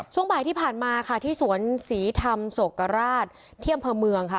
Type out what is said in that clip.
ช่วงบ่ายที่ผ่านมาค่ะที่สวนศรีธรรมโศกราชที่อำเภอเมืองค่ะ